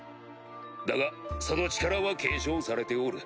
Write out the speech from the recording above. だがその力は継承されておる。